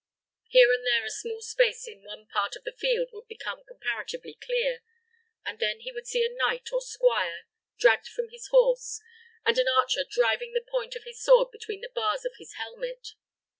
Here and there a small space in one part of the field would become comparatively clear, and then he would see a knight or squire dragged from his horse, and an archer driving the point of his sword between the bars of his helmet.